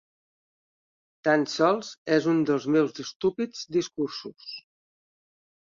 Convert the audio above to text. Tan sols és un dels meus estúpids discursos.